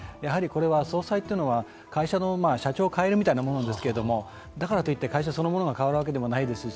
総裁というのは会社の社長をかえるみたいなものですけれども、だからといって会社そのものが変わるわけではないですし、